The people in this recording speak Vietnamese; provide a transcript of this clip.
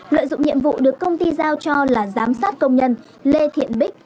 lợi dụng nhiệm vụ được công ty giao cho là giám sát công nhân lê thiện bích